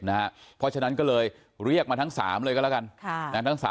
เพราะฉะนั้นก็เลยเรียกมาทั้ง๓เลยก็แล้วกัน